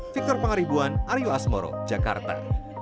victor pangaribuan aryo asmoro jakarta